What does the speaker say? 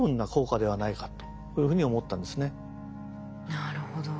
なるほど。